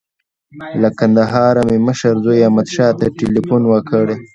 له کندهاره مې مشر زوی احمدشاه ته تیلفون وکړ.